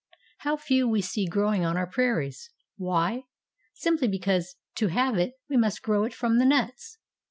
How few we see growing on our prairies. Why? Simply because to have it we must grow it from the nuts.